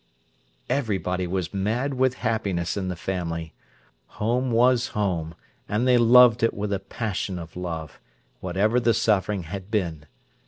Everybody was mad with happiness in the family. Home was home, and they loved it with a passion of love, whatever the suffering had been.